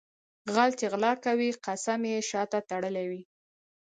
غل چې غلا کوي قسم یې شاته تړلی وي.